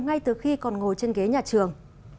ngay từ khi còn ngồi trên ghế nhà trường